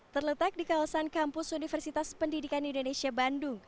terletak di kawasan kampus universitas pendidikan indonesia bandung